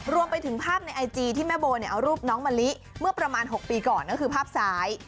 รวมไปถึงภาพในไอจีที่แม่โบเนี่ยเอารูปน้องมะลิเมื่อประมาณ๖ปีก่อนก็คือภาพซ้าย